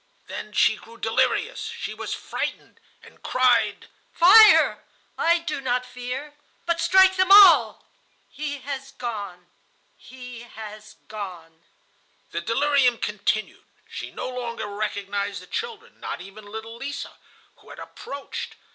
"Then she grew delirious. She was frightened, and cried: "'Fire, I do not fear ... but strike them all ... He has gone. ... He has gone.' ... "The delirium continued. She no longer recognized the children, not even little Lise, who had approached.